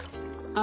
あ。